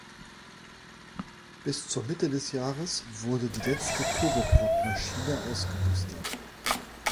Bis zur Mitte des Jahres wurde die letzte Turboprop-Maschine ausgemustert.